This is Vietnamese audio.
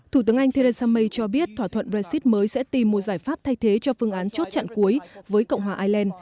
thủ tướng anh theresa may cho biết thỏa thuận brexit mới sẽ tìm một giải pháp thay thế cho phương án chốt chặn cuối với cộng hòa ireland